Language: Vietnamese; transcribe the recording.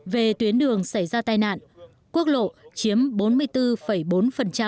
về tuyến đường xảy ra tai nạn quốc lộ chiếm bốn mươi bốn bốn tỉnh lộ và giao thông nông thôn chiếm năm mươi hai tám